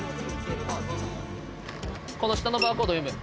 この下のバーコードを読む。